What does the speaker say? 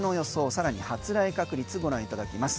更に発雷確率ご覧いただきます。